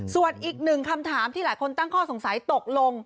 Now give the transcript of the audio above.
ส่วนอีกหนึ่งคำถามที่หลายคนตั้งข้อสงสัยตกลง